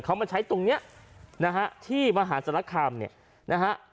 เขามาใช้ตรงเนี้ยนะฮะที่มหาศาลคามเนี่ยนะฮะ